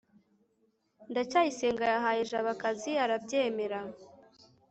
ndacyayisenga yahaye jabo akazi arabyemera